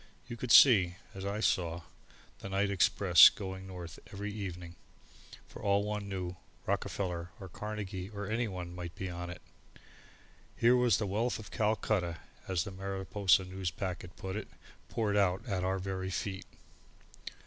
You could see, as I saw, the night express going north every evening; for all one knew Rockefeller or Carnegie or anyone might be on it! Here was the wealth of Calcutta, as the Mariposa Newspacket put it, poured out at our very feet.